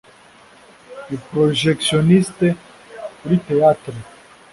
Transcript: Ni projectionist kuri theatre.